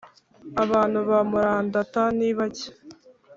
abantu bamurandata nibake.